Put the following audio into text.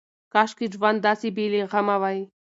کاشکې ژوند داسې بې له غمه وای.